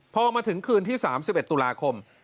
พอมาถึงคืนที่๓๑ตุลาคม